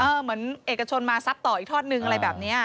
เออเหมือนเอกชนมาซับต่ออีกทอดนึงอะไรแบบเนี่ย